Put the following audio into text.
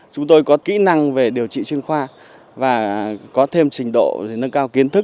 chúng tôi có kỹ năng về điều trị chuyên khoa và có thêm trình độ để nâng cao kiến thức